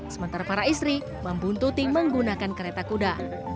sementara para istri membuntuti menggunakan kereta kuda